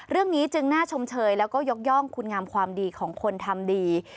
เรื่องนี้จึงน่าชมเชยแล้วก็ยกย่องคุณงามความดีของคนทำดี